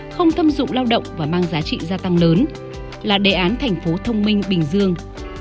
không thâm dụng lao động và mang giá trị gia tăng lớn là đề án thành phố thông minh bình dương